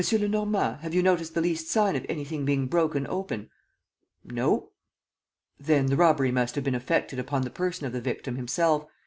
Lenormand, have you noticed the least sign of anything being broken open?" "No." "Then the robbery must have been effected upon the person of the victim himself.